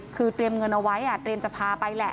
คือเตรียมเงินเอาไว้เตรียมจะพาไปแหละ